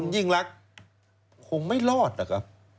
ยิ่งรักคงไม่รอดนะครับ